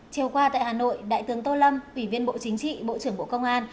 chiều qua tại hà nội đại tướng tô lâm ủy viên bộ chính trị bộ trưởng bộ công an